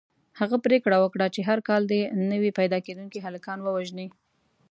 هغه پرېکړه وکړه چې هر کال دې نوي پیدا کېدونکي هلکان ووژني.